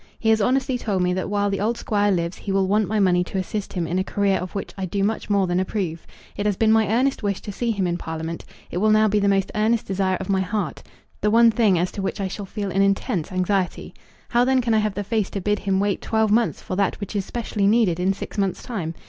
He has honestly told me that while the old Squire lives he will want my money to assist him in a career of which I do much more than approve. It has been my earnest wish to see him in Parliament. It will now be the most earnest desire of my heart; the one thing as to which I shall feel an intense anxiety. How then can I have the face to bid him wait twelve months for that which is specially needed in six months' time?